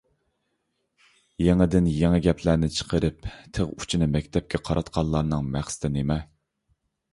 يېڭىدىن يېڭى گەپلەرنى چىقىرىپ، تىغ ئۇچىنى مەكتەپكە قاراتقانلارنىڭ مەقسىتى نېمە؟